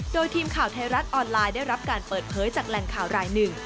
โดยทีมข่าวไทยรัฐออนไลน์ได้รับการเปิดเผยจากแหล่งข่าวรายหนึ่ง